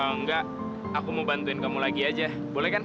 enggak aku mau bantuin kamu lagi aja boleh kan